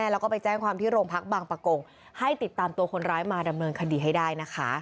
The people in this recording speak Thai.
แล้วตอนไปเขาก็รีบบิดไปเลย